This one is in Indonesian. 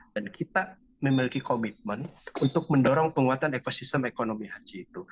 dan kita memiliki komitmen untuk mendorong penguatan ekosistem ekonomi haji itu